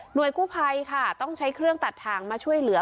โดยกู้ภัยค่ะต้องใช้เครื่องตัดทางมาช่วยเหลือ